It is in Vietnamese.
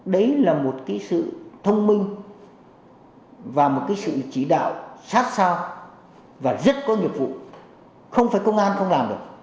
đấy là một sự thông minh và một sự chỉ đạo sát sao và rất có nhiệm vụ không phải công an không làm được